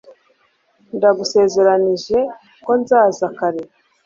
ndagusezeranije ko nzaza kare